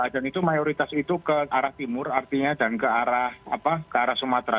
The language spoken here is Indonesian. dan itu mayoritas itu ke arah timur artinya dan ke arah sumatera